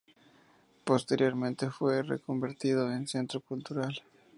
Posteriormente fue reconvertido en centro cultural.